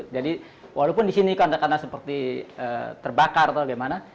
jadi walaupun di sini seperti terbakar atau bagaimana